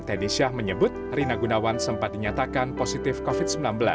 teddy syah menyebut rina gunawan sempat dinyatakan positif covid sembilan belas